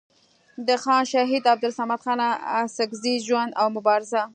د خان شهید عبدالصمد خان اڅکزي ژوند او مبارزه